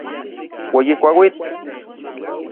Ueyi kuauitl.